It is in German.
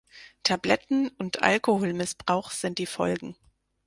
Tabletten- und Alkoholmissbrauch sind die Folgen.